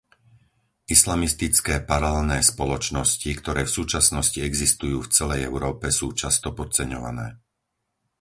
Islamistické paralelné spoločnosti, ktoré v súčasnosti existujú v celej Európe sú často podceňované.